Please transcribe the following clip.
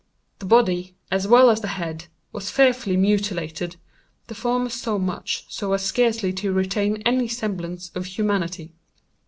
The body, as well as the head, was fearfully mutilated—the former so much so as scarcely to retain any semblance of humanity.